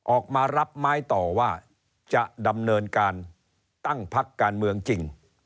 ออกมารับไม้ต่อว่าจะดำเนินการตั้งพักการเมืองจริง